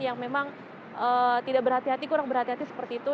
yang memang tidak berhati hati kurang berhati hati seperti itu